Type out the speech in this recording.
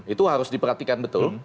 itu harus diperhatikan betul